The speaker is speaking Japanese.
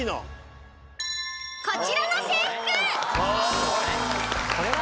［こちらの制服］